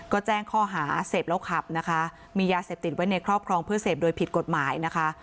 ก็แจ้งข้อหาเสพแล้วขับนะคะมียาเสพติดไว้ในครอบครองเพื่อเสพโดยผิดกฎหมายนะคะ